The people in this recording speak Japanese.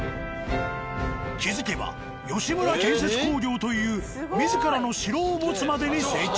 気付けば「吉村建設工業」という自らの城を持つまでに成長。